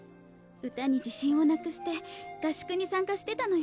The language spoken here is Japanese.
歌に自信をなくして合宿にさんかしてたのよ。